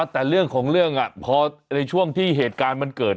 แต่เรื่องของเรื่องพอในช่วงที่เหตุการณ์มันเกิด